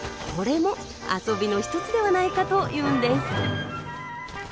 これも遊びの一つではないかというんです。